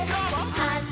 はい。